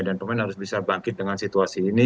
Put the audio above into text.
dan pemain harus bisa bangkit dengan situasi ini